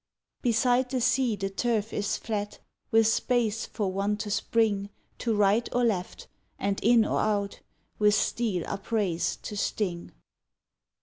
Beside the sea the turf is flat, With space for one to spring To right or left, and in or out, With steel upraised to sting.